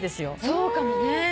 そうかもね。